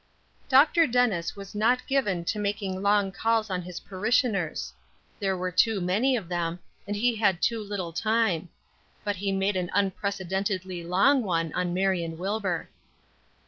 Dr. Dennis was not given to making long calls on his parishioners; there were too many of them, and he had too little time; but he made an unprecedentedly long one on Marion Wilbur.